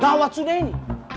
gawat sudah ini